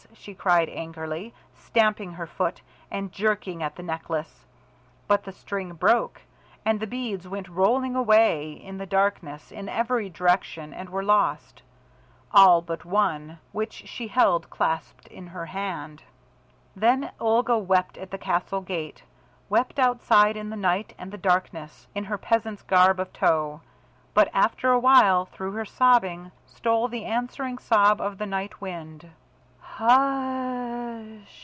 she cried angrily, stamping her foot and jerking at the necklace. But the string broke, and the beads went rolling away in the darkness in every direction and were lost all but one, which she held clasped in her hand. Then Olga wept at the castle gate; wept outside in the night and the darkness, in her peasant's garb of tow. But after awhile through her sobbing, stole the answering sob of the night wind.